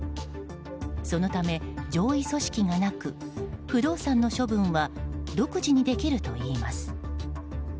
そのため、上位組織がなく不動産の処分は独自にできるといいます。